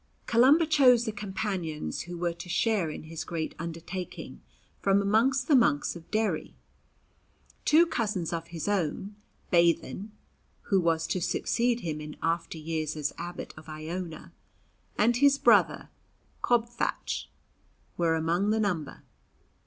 Columba chose the companions who were to share in his great undertaking from amongst the monks of Derry. Two cousins of his own, Baithen, who was to succeed him in after years as abbot of Iona, and his brother Cobthach, were amongst the number.